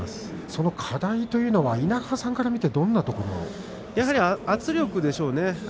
その課題というのは稲川さんから見てやはり圧力でしょうね。